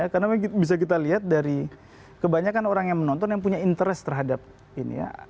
karena bisa kita lihat dari kebanyakan orang yang menonton yang punya interes terhadap ini